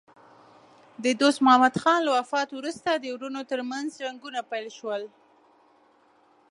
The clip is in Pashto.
د دوست محمد خان له وفات وروسته د وروڼو ترمنځ جنګونه پیل شول.